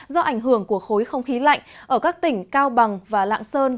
do ảnh hưởng của khối không khí lạnh ở các tỉnh cao bằng và lạng sơn